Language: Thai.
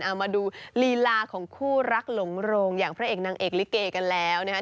เอามาดูลีลาของคู่รักหลงโรงอย่างพระเอกนางเอกลิเกกันแล้วนะครับ